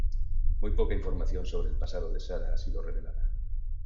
Muy poca información sobre el pasado de Sarah ha sido revelada.